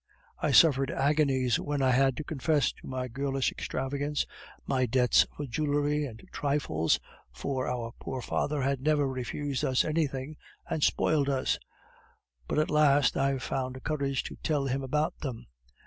I suffered agonies when I had to confess to my girlish extravagance, my debts for jewelry and trifles (for our poor father had never refused us anything, and spoiled us), but at last I found courage to tell him about them.